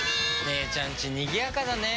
姉ちゃんちにぎやかだね。